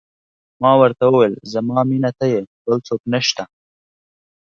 ما ورته وویل: زما مینه ته یې، بل څوک نه شته.